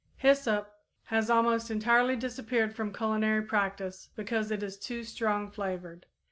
_ Hyssop has almost entirely disappeared from culinary practice because it is too strong flavored.